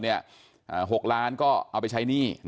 ๖ล้านก็เอาไปใช้หนี้